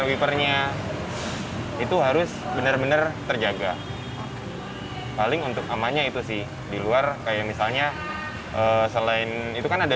wevernya itu harus benar benar terjaga paling untuk amannya itu sih di luar kayak misalnya selain itu kan ada